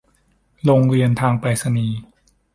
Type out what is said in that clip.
โรงเรียนทางไปรษณีย์